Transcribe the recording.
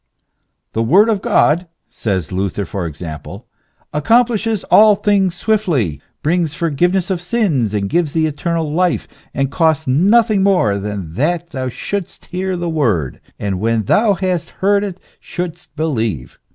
" The word of God," says Luther, for example, " accomplishes all things swiftly, brings forgive ness of sins, and gives tliee eternal life, and costs nothing more than that thou shouldst hear the word, and when thou hast heard it shouldst believe.